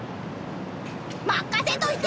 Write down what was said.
任せといて！